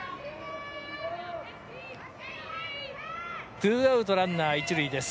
２アウト、ランナー１塁です。